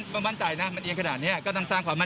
ตรวจสอบให้ครับ